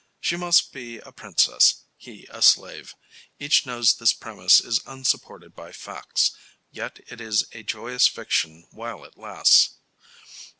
She must be a princess, he a slave. Each knows this premise is unsupported by facts, yet it is a joyous fiction while it lasts.